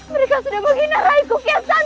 mereka sudah menghina raiku kiyasan